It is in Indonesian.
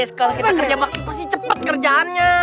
sekarang kita kerja bakal pasti cepet kerjaannya